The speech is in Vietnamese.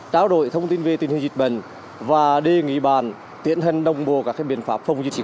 trao đổi thông tin về tình hình dịch bệnh và đề nghị bàn tiến hành đồng bộ các biện pháp phòng dịch